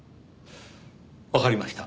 わかりました。